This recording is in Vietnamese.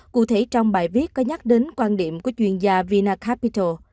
cụ thể trong bài viết có nhắc đến quan điểm của chuyên gia vinacapital